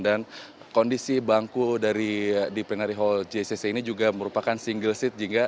dan kondisi bangku di plenir hall jcc ini juga merupakan single seat